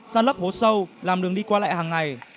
san lấp hố sâu làm đường đi qua lại hàng ngày